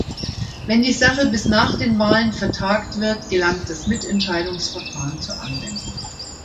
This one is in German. Wenn die Sache bis nach den Wahlen vertagt wird, gelangt das Mitentscheidungsverfahren zur Anwendung.